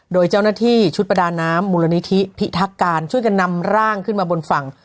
โดยเจ้าหน้าที่ชุดประดาน้ำมูลนิธิพิทักการช่วยกันนำร่างขึ้นมาบนฝั่ง